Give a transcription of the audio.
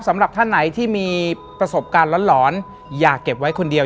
สำหรับท่านไหนที่มีประสบการณ์หลอนอย่าเก็บไว้คนเดียว